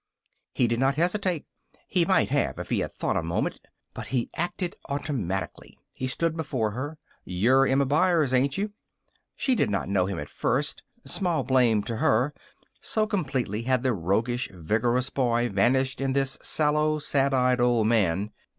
He did not hesitate. He might have if he had thought a moment, but he acted automatically. He stood before her. "You're Emma Byers, ain't you?" She did not know him at first. Small blame to her, so completely had the roguish, vigorous boy vanished in this sallow, sad eyed old man.